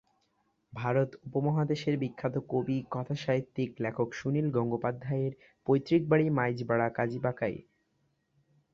ভারত উপমহাদেশের বিখ্যাত কবি, কথা সাহিত্যিক, লেখক সুনীল গঙ্গোপাধ্যায়ের পৈত্রিকবাড়ী, মাইজপাড়া, কাজীবাকাই।